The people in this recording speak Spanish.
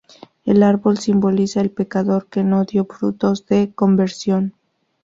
El árbol simboliza al pecador que no dio frutos de conversión.